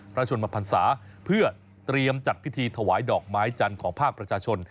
ชนมพันศาเพื่อเตรียมจัดพิธีถวายดอกไม้จันทร์ของภาคประชาชน